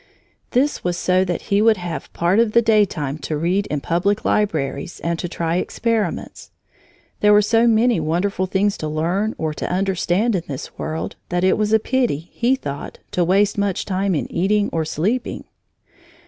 This was so that he would have part of the daytime to read in public libraries and to try experiments. There were so many wonderful things to learn or to understand in this world that it was a pity, he thought, to waste much time in eating or sleeping.